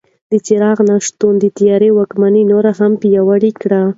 د څراغ نه شتون د تیارې واکمني نوره هم پیاوړې کړه.